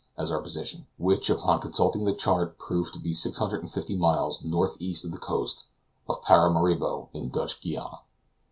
as our position, which, on consulting the chart, proved to be about 650 miles northeast of the coast of Paramaribo in Dutch Guiana.